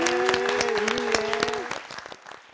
いいね。